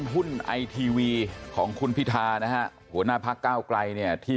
หุ้นไอทีวีของคุณพิธานะฮะหัวหน้าพักเก้าไกลเนี่ยที่